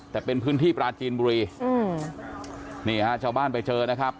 แต่เป็นพื้นที่ปราจีนบุรีอืมนี่ฮะชาวบ้านไปเจอนะครับ